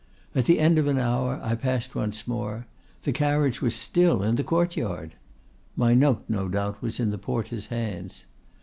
At the end of an hour I passed once more; the carriage was still in the courtyard! My note no doubt was in the porter's hands.